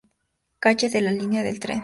Calle de la línea del tren.